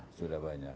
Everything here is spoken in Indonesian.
ya sudah banyak